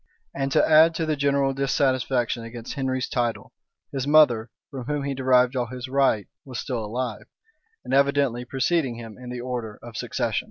And to add to the general dissatisfaction against Henry's title, his mother, from whom he derived all his right was still alive; and evidently preceded him in the order of succession.